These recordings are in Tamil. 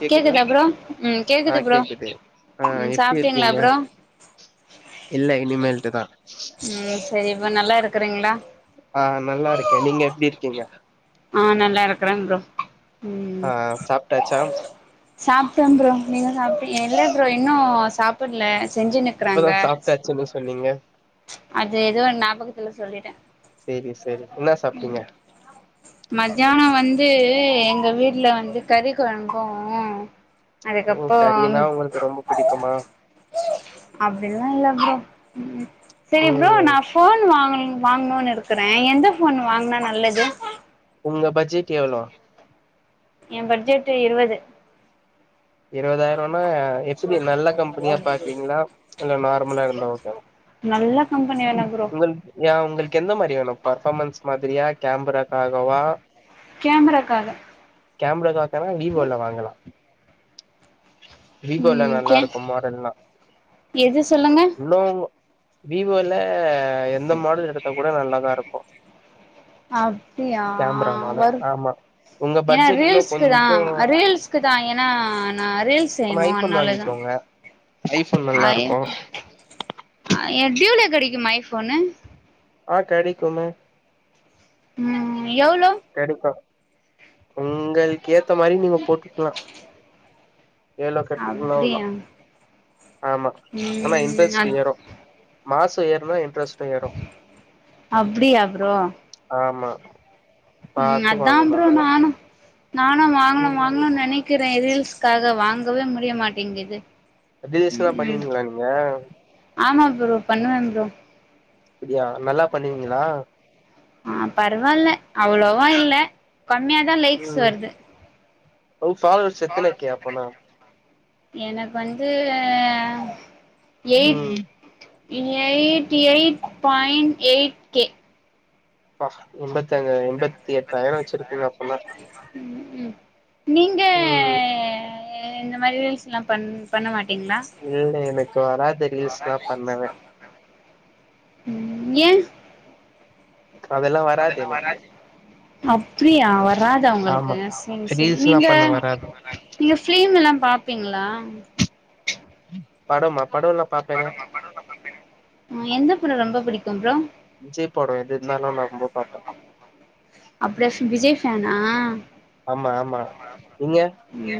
கேக்குதா ப்ரோ ம் ஆஹ் ப்ரோ கேக்குது ஆஹ் ம் எப்டி சாப்ட்டீங்களா இருக்கிங்க ப்ரோ இல்ல இனிமேல்ட்டுதா உம் சரி இப்ப நல்லா இருக்கறிங்ளா ஆஹ் நல்லா இருக்கே நீங்க எப்டி இருக் கிங்க ஆஹ் நல்லா இருக்கறேங் ப்ரோ ஆஹ் சாப்ட்டாச்சா சாப்ட்டே ப்ரோ நீங்க சாபடி இல்ல ப்ரோ இன்னு சாப்புட்ல செஞ்சுனுக்றாங்க இப்பதா சாப்ட்டாச்சுன்னு சொன்னீங்க அது ஏதோ நாபகத் துல சொல்லிட்டெ சேரி செரி என்னா சாப்டிங்க மத்யானொ வந்தூ எங்க வீட்ல வந்து கறிக் கொழம்பு ஓ அதுக்கப்பறோ கறினா உங்களுக்கு ரொம்ப பிடிக்குமா அப்டில்லா இல்ல ப்ரோ ம் ம் செரி ப்ரோ ம் நா ஃபோன் வாங்கனே வாங்னுன் இருக்கறே எந்த ஃபோன் வாங்னா நல்லது உங்க பட்ஜெட் எவ்ளோ எ பட்ஜெட்டு இருவது இருவதாயிரோனா எப்புடி நல்ல கம்பெனியா பாக்கறீங்களா இல்ல நார்மலா இருந்தா ஓகே வா நல்ல கம்பெனி வேணு ப்ரோ உங்கள் ஏ உங்களுக்கு எந்த மாரி வேணு பர்ஃபாமென்ஸ் மாதிரியா கேம்பராக்காகவா கேமராக்காக கேமராக்காகனா வீவோல வாங்கலா வீகோல ம் கே நல்லாருக்கு மாடல்லா எது சொல்லுங்க இன்னு வீவோல அ எந்த மாடல் எடுத்தா கூட நல்லா தா இருக் அப்டியா கேமரானால வரு ஆமா உங்க ஏனா பட்ஜெட் இன்னு ரீல்ஸ்கு தா கொஞ்சோ அ ரீல்ஸ்கு தா ஏனா ஆமா ஐஃபோன் வாங்கிக்கோங்க ஐஃபோன் நல்லாருக்கு எ டியூல கெடக்குமா ஐஃபோனு ஆ கெடைக்குமே ம் எவ்ளோ உங்கள்கே த்த மாரி நீங்க போட்டுக்லா எவ்ளோ கட்டிக்கினு அவுள்தா அப்டியா ஆமா ஆனா ம் அ இன்ரஸ்ட் ஏறு மாச ஏறுனா இன் அப்டியா ப்ரோ ஆமா ம் பாத்து அதா வாங்கணு ப்ரோ அதெல்லா நானோ நானோ வாங்கனோ ம் வாங்கனோ நெனைக்கு அதா ஏ ரீல்ஸ்காக வாங்கவே முடிய மாட்டிங்குது அதீரசோலா பண்ணிடுவீங்களா நீங்க ஆமா ப்ரோ பண்ணுவே ப்ரோ அப்டியா நல்லா பண்ணுவீங்களா ம் பரவால்ல அவ்ளோவா இல்ல கம்மியாதா லைக்ஸ் வருது உ ஃபாலோவர்ஸ் எத்தன கே அப்பனா எனக்கு வந்து அ ம் eight eighty eight point eight K பா தங்க எண்பத்தி எட்டாயிரம் வச்சிருக்கீங்க அப்பனா ம் ம் ம் அ இந்த மாரி ரீல்ஸ் எல்லாம் பன் பண்ண மா இல்ல எனக்கு வராது ரீல்ஸ்லா பண்ணவே ம் ஏ காலெல்லா வராதே அப் ஃப்ரீ ஆ வராதா உங்களுக்கு சீன் செரி ரீல்ஸ்லா நீங்க பண்ண வராது நீங்க ஃப்ரீம் எல்லாம் பாப்பிங்ளா படமா படொல்லா பாப்பேனே ம் எந்த புட ரொம்ப புடிக்கும் ப்ரோ விஜய் படோ எது இருந்தாலு நா ரொம்ப பாப்பே அப்டியாஃப் விஜய் ஃபேனா ஆமா ஆமா நீங்க ம்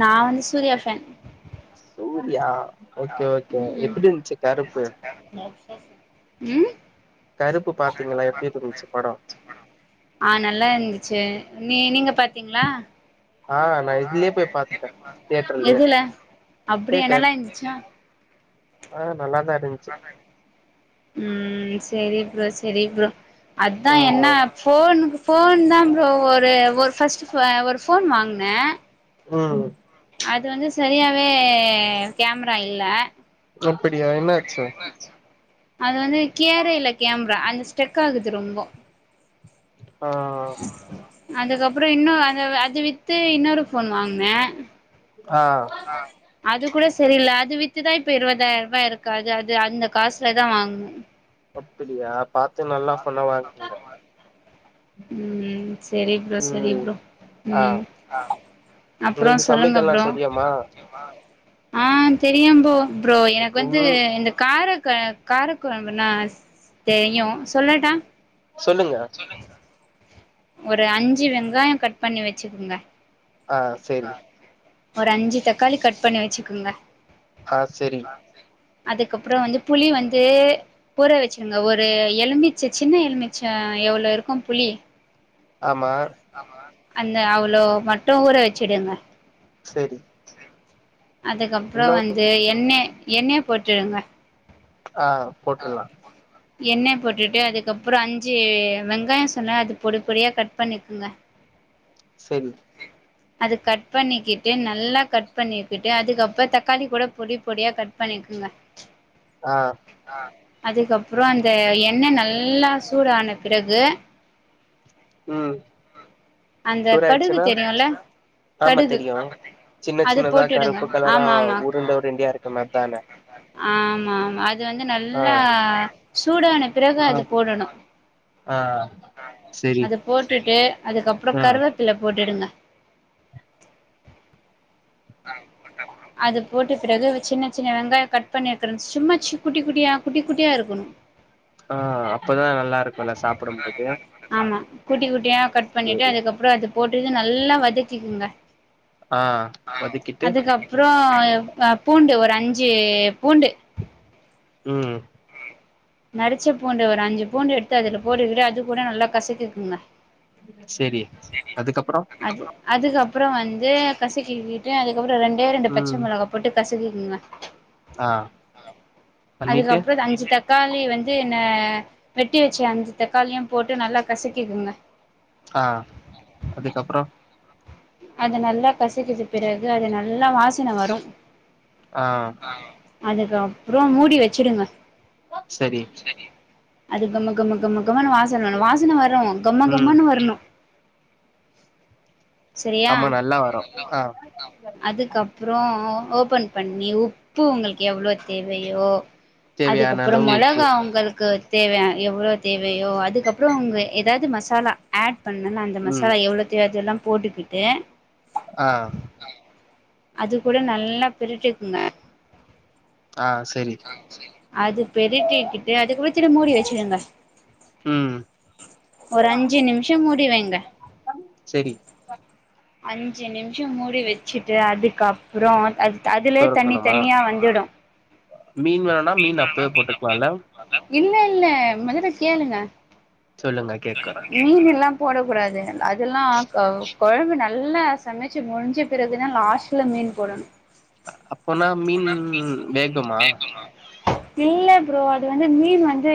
நா வந்து Suriya fan Suriya okay okay ம் ம் எப்டி இருந்துச்சு கருப்பு ம் கருப்பு பாத்தீங்களா எப்டி இருந்துச்சு படம் ஆ நல்லா இருந்துச்சு நீ நீங்க பாத் தீங்களா ஆ நா இதுலயே போய் பாத்துட்டே தியேட்டர்லயே எதுல அப்டியா தியேட்டர் நல்லா இருந்துச்சா ஆ நல்லாதா இருந்துச்சு ம் சேரி ப்ரோ சேரி ப்ரோ அதா ஆ என்ன ஃபோனு ஃபோன்தா ப்ரோ, ஒரு ஒரு ஃபர்ஸ்ட் ஒரு ஃபோன் வாங்கின உம் அது வந்து சரியாவே கேம்ரா இல்ல அப்டியா என்னாச்சு அது வந்து கியரே இல்ல கேம்ரா அந்த ஸ்டெக் ஆகுது ரொம்ப ஆ அதுக்கப் ப்றோ இன்னொ அந்த அது வி்த்து இன்னொரு ஃபோன் வாங்குனே ஆ அது கூட செரியில்ல அது வித்துதா இப்ப இருவதாயிர்ருபா இருக்குது அது அது அந்த காசுலதா வாங்னே அப்பிடியா பாத்து நல்லா சொன்னத வாங்கிவா உம் செரி ப்ரோ செரி ம் ப்ரோ ஆ உம் அப்றோ உங்களுக்கு சொல்லுங்க சமைக்கல்லா ப்ரோ தெரியுமா ஆஹ் தெரியு ப்ரோ ப்ரோ எனக்கு வந்து ம் இந்த காரக் க காரக் கொழம்புனா தெரியு சொல்லட்டா சொல்லுங்க ஒரு அஞ்சு வெங்காய கட் பண்ணி வச்சுக்குங்க ஆஹ் செரிங்க ஒரு அஞ்சு தக்காளி கட் பண்ணி வச்சுக்குங்க ஆ செரிங் அதுக்கப்ற வந்து புளி வந்து பூற வச்சுருங்க ஒரு எலுமிச்ச சின்ன எலுமிச்ச எவளோ இருக்கு புளி ஆமா அந்த அவ்ளோ மட்டு ஊற வச்சுடுங்க செரி அதுக்கப்ற இன்னு வந்து எண்ணய எண்ணய போட்டுருங்க ஆஹ் போட்றலா எண்ணெய போட்டுட்டு அதுக்கப்ற அஞ்சு வெங்காய சொன்னே அது பொடி பொடியா கட் பண்ணிக்குங்க செரிங் அது கட் பண்ணிக்கிட்டு நல்லா கட் பண்ணிக்கிட்டு அதுக்கப்ற தக்காளி கூட பொடி பொடியா கட் பண்ணிக்குங்க ஆ ஆஹ் அதுக்கப்ற அந்த எண்ண நல்லா சூடான பிறகு உம் அந்த கடுகு சூடாய்ர்ச்சுனா தெரியுல ஆமா கடுகு தெரியு சின்ன அது சின்னதா போட்டுடுங்க கருப்பு கலரா ஆமா ஆமா உருண்ட உருண்டயா இருக்கமே அதானே ஆமா ஆமா அத் து வந்து நல்லா சூடான பிறகு ஆ அது போடணு ஆ செரி அத போட்டுட்டு அதுக்கப்பறோ ஆ கருவேப்பில போட்டுடுங்க அது போட்டு பிறகு சின்ன சின்ன வெங்காயோ கட் பண்ணிருக்கறன் சும்மா ச்சு குட்டி குட்டியா குட்டி குட்டியா இருக்கணு ஆஹ் அப்ப தா நல்லாருக்குல்ல சாப்புடும்போது ஆமா குட்டி குட்டியா கட் பண்ணிட்டு சேரி அதுக்கப்புறோ [unintelligible] நல்லா வச் ஆ [unintelligible] வதக்கிட்டு அதுக்கப்ரோ ஆஹ் பூண்டு ஒரு அஞ்சு பூண்டு உம் நரிச்ச பூண்டு ஒரு அஞ்சுப் பூண்டு எடுத்த அதுல [unintelligible] அது கூட நல்லா கசக்கிகுங்க செரி அதுக்கப்றோ அது அதுக்கப் அப்புறம் வந்து கக்கிட்டு அது கூட ரெண்டே ரெண்டு பச்ச மிளகா போட்டு கசக்கி உம் ஆஹ் பண்ணிட்டு அதுக்கப்புறோ அஞ்சு தக்காளி வந்து என்ன வெட்டி வச்சு அந்த தக்காளியும் போட்டு நல்லா கசக்கிக்குங்க ஆஹ் அதுக்கப்புறம் அது நல்லா கசிக்குது பிறகு அது நல்லா வாசின வரும் ஆஹ் அதுக்கு அப்புறம் மூடி வச்சுடுங்க சரி அது கம கம கம கமான் வாசன் வனு வாசன வரு கம ம் கமனு வரணு சரியா ஆமா நல்லா வரு ஆ அதுக்கப்றோ ஓபன் பண்ணி உப்பு உங்கள்க்கு எவ்ளோ தேவையோ தேவையான அதுக்கப்றொ அளவு உப்பு மொளகா உங்களுக்கு தேவைையான் எவ்ளோ தேவையோ அதுக்கப்றொ உங்க ஏதாவது மசாலா ஆட் பண்ணுன் அந்த ம் மசாலா எவ்ளோ தேவயாசெல்லம் போட்டுகிட்டு ஆ அது கூட நல்லா பிரிட்டுக்ங்க ஆஹ் செரி அது பெருட்டிக்கிட்டு அதுக் வச்சிடு மூடி வச்சிடுங்க ம் ஒரு அஞ்சி நிம்ஷொ மூடி வைங்க சரி அஞ்சி நிம்ஷொ மூடி வச்சிட்டு அதுக்கப்றொ அத் த அதுலே தண்ணி தொறக்கணுமா தனியா வந்துடு மீன் வேணுனா மீன் அப்பயே போட்ருக்லால்ல இல்ல இல்ல மொதல்ல கேளுங்க சொல்லுங்க கேக்குற மீனெல்லாம் போடக்கூடாதுங்க அதெல்லா க கொழம்பு நல்லா சமச்சு முடிஞ்ச பிறகுதா லாஸ்ட்ல மீன் போடணு அப்போனா மீன் வேகுமா இல்ல ப்ரோ அது வந்து மீன் வந்து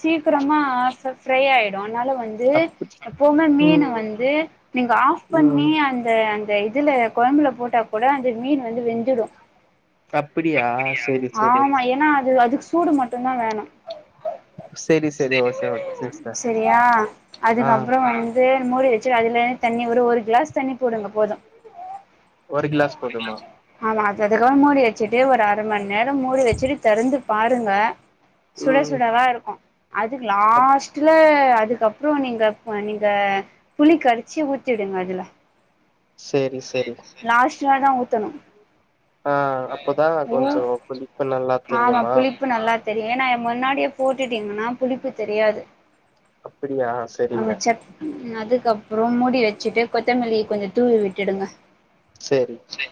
சீக்கிரமா ஃப் ஃப்ரை ஆய்டு அத்னால வந்து அப் எப்பவுமே மீன் ம் வந்து நீங்க ஆஃப் ம் பண்ணி அந்த ந்த இதுல கொழம்புல போட்டா கூட அந்த மீன் வந்து வெந்துடு அப்டியா சேரி சேரி ஆமா ஏன்னா அது அதுக் சூடு மட்டுந்தா வேணு சரி சரி ஓகே ஓகே சிஸ்டர் செரியா ஆ அதுக்கப்றொ வந்து மூடி வெ சு அதில்ல தண்ணி ஒரு ஒரு கிளாஸ் தண்ணி போடுங்க போதும் ஒரு கிளாஸ் போதுமா யதுக மூடி வெச்சிட்டு ஒரு அர மணி நேரம் மூடி வெச்சுரு தெறந்து பாருங்க சுட ம் சுடவாருக்கும் அது லாஸ்ட்ல அதுக் கப்றம் நீங்க ப நீங்க புழி கறச்சி ஊத்திடுங் அதுல செரி செரி [unintelligible] தான் ஊத்தணும் ஆஹ் அப்பதா கொஞ்சொ கொஞ் புளிப்பு நல்லா ஆமா தெரியுமா புளிப்பு நல்லா தெரியு நா எ முன்னாடியே போட்டுட்டிங்ன்னா புளிப்பு தெரியாது அப்டியா செரிங்க அமைச்சர் ம் அதுக் க்கப்புறம் மூடி வெச்சிட்டு கொத்தமல்லி கொஞ் தூவி விட்டுடுங்க செரி சரி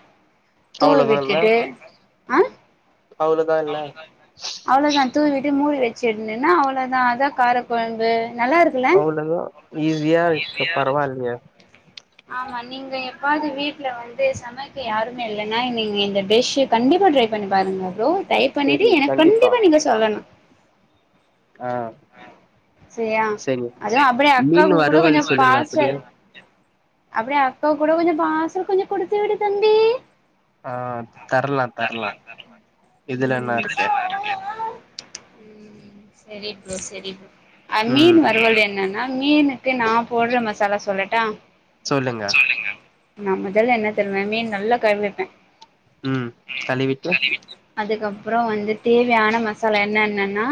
அவ்ளோதா சொல்லுங்க இல்ல சிஸ்டர் ஆஹ் அவ்ளோதா இல்ல அவ்ளொதான் தூவிட்டு மூடி வெச்சிட்ணுன்னா அவ்ளோதா அதா காரக்கொழம்பு அவ்ளோதா ஈஸியா இருக்கு பரவால்லியே ஆமா நீங்க எப்பாவ்து வீட்ல வந்து சமைக்க யாருமே இல்லன்னா இங்க நீங்க இந்த டிஷ் கண்டிப்பா ட்ரை பண்ணி பாருங்க ப்ரோ டிரை பண்ணிட்டு எனக் கண்டிப்பா நீங்க சொல்லணு ஆ ஆஹ் செரி மீன் வறுவல் சொல்லுங்க அப்டியே [unintelligible] அப்டியே அக்காவுக் கூட கொஞ்சொ பாச கொஞ்சொ கொடுத்து விடு தம்பி ஹா தர்லா தர்லா இதுல என்னாருக்கு ஊம் சரிப்ரோ சரிப்ரொ அம்மீன் ம் வருவல் என்னன் ஆ மீனுக்கு நா போட்ற மசாலா சொல்லட்டா சொல்லுங்க நா முதல்ல என்ன தெர்மே மீன் நல்லா கல்விப்பேன் ஹும் கலிவிட்டு கப்புறம் வந்து தேவயான மசாலா என்ன என்னன்னா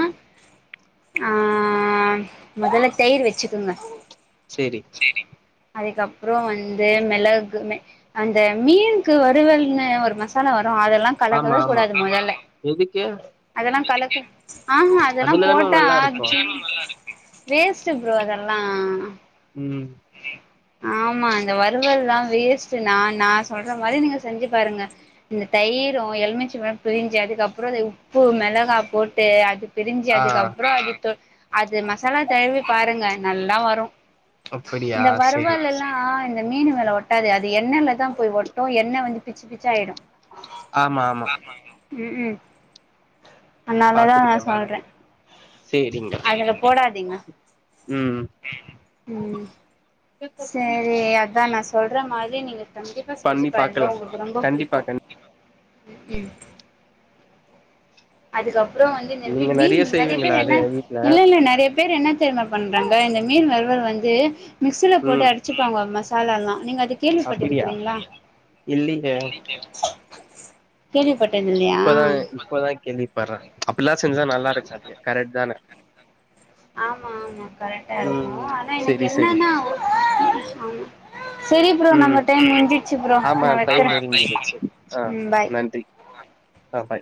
ஆஹ் மொதல்ல தயிர் வெச்சுக்குங்க செரி அதுக்கப் அப்றம் வந்து மிளகு மெ அந்த மீன்க்கு வருவல்னு ஒரு மசாலா வந் அதெல்லா ஆமா கலக்கவே ஆமா கூடாது மொதல்ல எதுக்கு அதெல்லா கலக் கு ஆஹா அதெல்லாம் அதுலதான போட்டா நல்லா இருக்கு வேஸ்ட்டு ப்ரோ அதெல்லா ம் ஆமா இந்த வறுவல்லா வேஸ்ட்டு நா நா சொல்ற மாரி நீங்க செஞ்சு பாருங்க இந்த தயிரு எலுமிச்ச பழொ பிழிஞ்சு அதுக்கப்றொ அத உப்பு மெளகா போட்டு அது பிரிஞ்சு ஆ அதுக்கப்றொ அது தொ அது மசாலா தடவி பாருங்க நல்லா வரு அப்படியா சேரி லா இந்த மீன் மேல ஒட்டாது அது எண்ணெலதா போய் ஒட்டு எண்ணெ வந்து பிச்சு பிச்சாய்டு ஆமா ஆமா ம் ம் அனாலதா நா பாத்துருக்கே நானு சொல்ற சேரிங்க அதுல போடாதீங்க ம் ம் செரி அதா நா சொல்ற மாரி யே நீங்க கண்டிப்பா செஞ்சு பண்ணி பாருங்க பாக்கலா உங்களுக்கு ரொம்ப கண்டிப்பா புடிக்கு கண் ம் அதுக்கப் றோ வந்து நெறைய நீங்க மீன் நெறைய செய்வீங்களா பேர் அது என்ன வீட்ல இல்ல இல்ல நெறைய பேர் என்ன தெரிமா பண்றாங்க இந்த மீன் வறுவல் வந்து மிக்ஸ் போட்டு ம் அடிச்சுப்பாங்க ம சாலாலா நீங்க இது கேள்விப்பட்டு அப்டியா இருக்குறீங்களா இல்லியே கேள்விப்பட் இப்பதாங்க இப்பதா கேள்விப்பட்ற இப்டிலா செஞ்சா நல்லா இருக்காது கரெக்ட் தான ஆமா ஆமா கரெக்ட்டா இருக்கு ம் ஆனா எனக்கு செரி செரி என்னன்னா ஆ செரி ப்ரோ நம்ம ம் டைம் முஞ்சிச்சு ப்ரோ ஆமா நா வக்கிற டைம் முடிஞ்சிருச்சு ஆ ம் பாய் நன்றி ஆ பாய்